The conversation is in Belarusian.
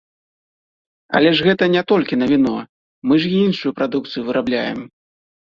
Але ж гэта не толькі на віно, мы ж і іншую прадукцыю вырабляем.